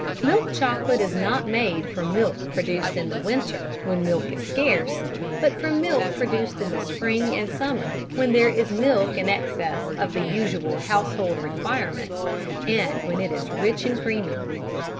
Milk chocolate is not made from milk produced in the winter, when milk is scarce, but from milk produced in the spring and summer when there is milk in excess of the usual household requirements, and when it is rich and creamy.